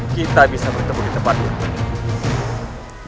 kita bisa bertemu di tempat ini